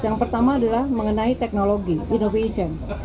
yang pertama adalah mengenai teknologi innovation